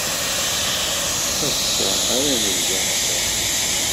Ass-a ara nebdu amahil.